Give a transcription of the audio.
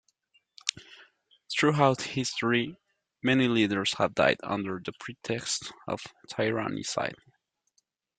Throughout history, many leaders have died under the pretext of tyrannicide.